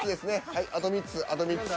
はいあと３つあと３つ。